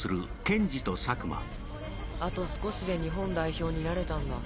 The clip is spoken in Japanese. あと少しで日本代表になれたんだ。